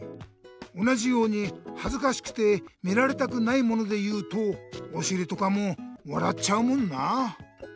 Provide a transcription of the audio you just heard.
同じようにはずかしくて見られたくないものでいうとおしりとかも笑っちゃうもんな。